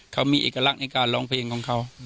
เขามีเอกลักษณ์ในการร้องเพลงของเขา